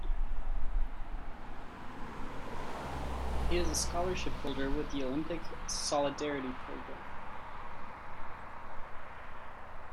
He is a scholarship holder with the Olympic Solidarity program.